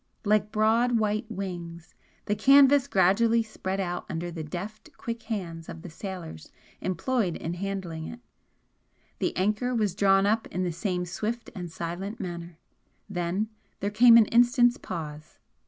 Like broad white wings, the canvas gradually spread out under the deft, quick hands of the sailors employed in handling it, the anchor was drawn up in the same swift and silent manner then there came an instant's pause.